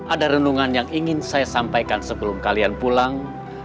ada renungan yang ingin saya sampaikan sebelum kalian pulang